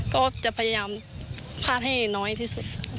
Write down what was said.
ก็จะพยายามพลาดให้น้อยที่สุด